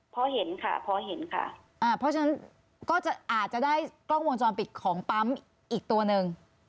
พอเห็นค่ะพอเห็นค่ะอ่าเพราะฉะนั้นก็จะอาจจะได้กล้องวงจรปิดของปั๊มอีกตัวหนึ่ง